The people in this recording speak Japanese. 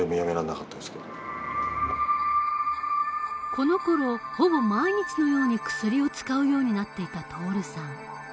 このころほぼ毎日のように薬を使うようになっていた徹さん。